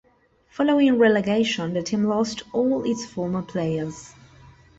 Following relegation the team lost all its former players.